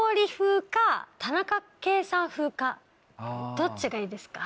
どっちがいいですか？